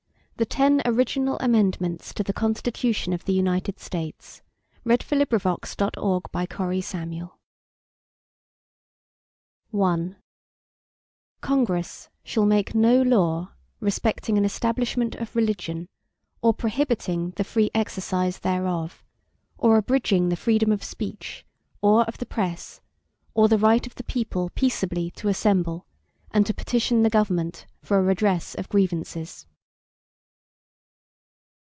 The Ten Original Amendments to the Constitution of the United States Passed by Congress September 25, 1789 Ratified December 15, 1791 I Congress shall make no law respecting an establishment of religion, or prohibiting the free exercise thereof; or abridging the freedom of speech, or of the press, or the right of the people peaceably to assemble, and to petition the Government for a redress of grievances.